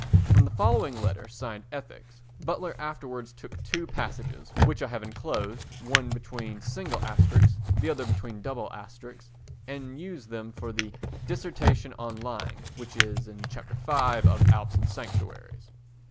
From the following letter signed "Ethics" Butler afterwards took two passages (which I have enclosed, one between single asterisks the other between double asterisks), and used them for the "Dissertation on Lying" which is in Chapter V of Alps and Sanctuaries.